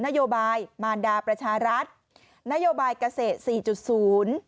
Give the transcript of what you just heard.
นโยบายมารดาประชารัฐนโยบายเกษตร๔๐